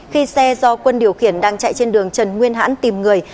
khi xe do quân điều khiển đang chạy trên đường trần nguyên hãn tìm người